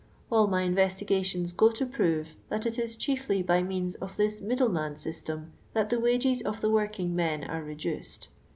All my in , vestigations go to prove, that it is chiefly by ; means of this middleman system that the wages ! of the working men are reduced.